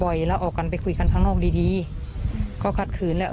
แล้วออกกันไปคุยกันข้างนอกดีดีก็ขัดขืนแล้ว